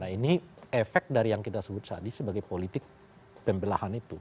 nah ini efek dari yang kita sebut tadi sebagai politik pembelahan itu